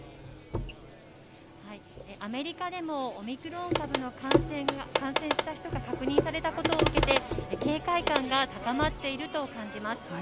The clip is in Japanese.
アメリカでもオミクロン株に感染した人が確認されたことを受けて、警戒感が高まっていると感じます。